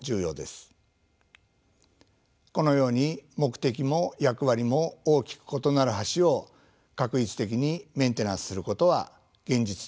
このように目的も役割も大きく異なる橋を画一的にメンテナンスすることは現実的ではありません。